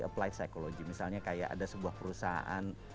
applied psychology misalnya kayak ada sebuah perusahaan